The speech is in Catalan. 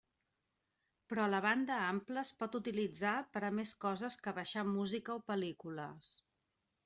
Però la banda ampla es pot utilitzar per a més coses que baixar música o pel·lícules.